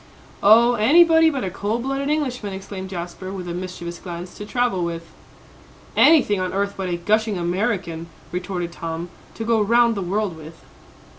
"Oh, anybody but a cold blooded Englishman!" exclaimed Jasper, with a mischievous glance, "to travel with." "Anything on earth but a gushing American!" retorted Tom, "to go round the world with."